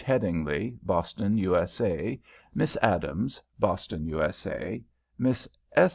Headingly Boston, USA Miss Adams Boston, USA Miss S.